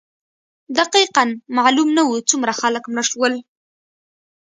دقیقا معلوم نه وو څومره خلک مړه شول.